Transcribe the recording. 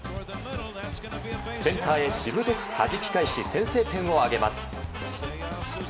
センターへ、しぶとくはじき返し先制点を挙げます。